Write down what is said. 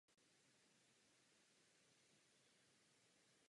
Další loď později připlula a vzala ho na palubu.